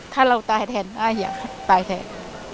ถ้าเราตายแทนอยากตายแทน